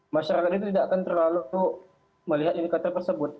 masyarakat itu tidak akan terlalu melihat indikator tersebut